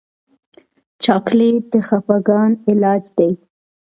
چاکلېټ د خفګان علاج دی.